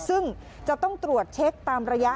ซึ่งจะต้องตรวจเช็คตามระยะ